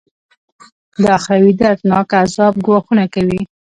د اخروي دردناکه عذاب ګواښونه کوي.